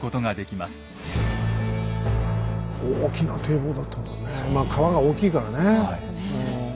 まあ川が大きいからね。